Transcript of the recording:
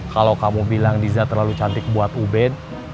kalau kamu bilang diza terlalu cantik buat ubed